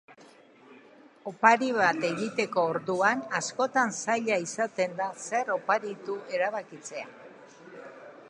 Opari bat egiteko orduan, askotan zaila izaten da zer oparitu erabakitzea.